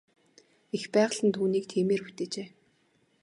Эх байгаль нь түүнийг тиймээр бүтээжээ.